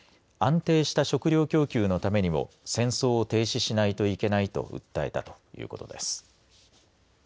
安定した食料供給のためにも戦争を停止しないといけないと訴えたということです